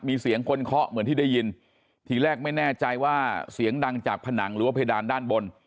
มีเสียงคนเคาะเหมือนที่ได้ยินทีแรกไม่แน่ใจว่าเสียงดังจากผนังหรือว่าเพดานด้านบน